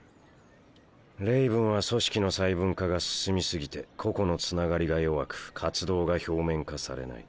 レイブンは組織の細分化が進み過ぎて個々のつながりが弱く活動が表面化されない。